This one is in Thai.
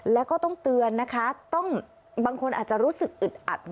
แล้วก็ต้องเตือนนะคะต้องบางคนอาจจะรู้สึกอึดอัด